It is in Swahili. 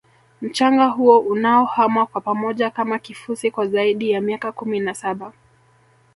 mchanga huo unaohama kwa pamoja Kama kifusi kwa zaidi ya miaka kumi na saba